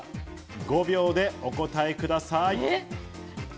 ５秒でお答えください。